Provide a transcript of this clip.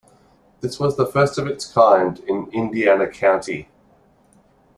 This was the first of its kind in Indiana County.